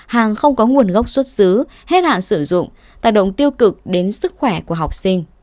hàng không có nguồn gốc xuất xứ hết hạn sử dụng tác động tiêu cực đến sức khỏe của học sinh